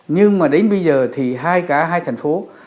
nhưng mà đến bây giờ thì hai cả hai thành phố